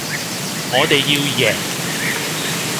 我哋要贏